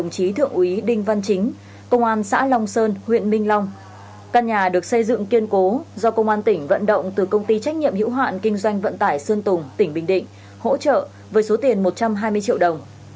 các nhà được xây dựng kiên cố do công an tỉnh vận động từ công ty trách nhiệm hữu hoạn kinh doanh vận tải sơn tùng tỉnh bình định hỗ trợ với số tiền một trăm hai mươi triệu đồng